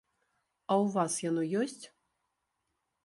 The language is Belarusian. А ў вас яно ёсць?